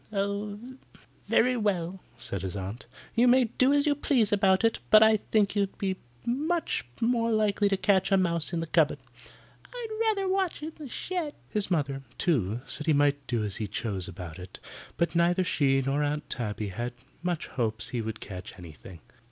"Very well," said his aunt. "You may do as you please about it, but I think you'd be much more likely to catch a mouse in the cupboard." "I'd rather watch in the shed." His mother, too, said he might do as he chose about it, but neither she nor Aunt Tabby had much hopes he would catch anything.